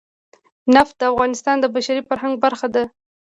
نفت د افغانستان د بشري فرهنګ برخه ده.